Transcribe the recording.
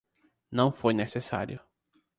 Não foi necessário.